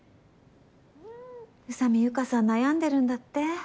ニャ宇佐美由夏さん悩んでるんだって？